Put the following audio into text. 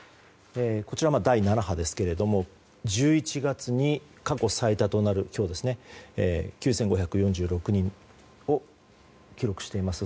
こちらは第７波ですけども１１月の今日、過去最多となる９５４６人を記録しています。